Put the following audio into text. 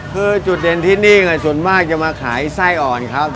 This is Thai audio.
คือจุดเด่นที่นี่ส่วนมากจะมาขายไส้อ่อนครับ